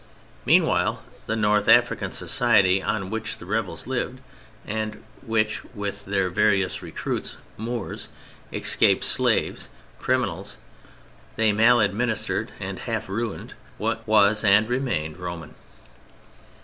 Meanwhile the North African society on which the rebels lived, and which, with their various recruits—Moors, escaped slaves, criminals—they maladministered and half ruined, was and remained Roman.